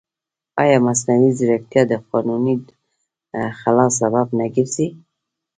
ایا مصنوعي ځیرکتیا د قانوني خلا سبب نه ګرځي؟